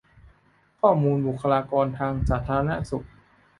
ข้อมูลบุคลากรทางสาธารณสุข